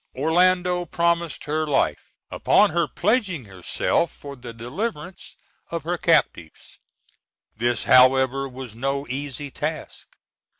Orlando promised her life upon her pledging herself for the deliverance of her captives. This, however, was no easy task.